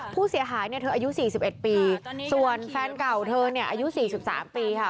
ผู้เสียหายเนี่ยเธออายุ๔๑ปีส่วนแฟนเก่าเธอเนี่ยอายุ๔๓ปีค่ะ